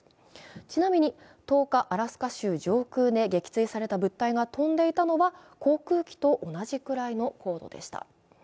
ちなみにアラスカ州を上空を飛んでいて撃墜された物体が飛んでいたのは航空機と同じくらいの高度でした。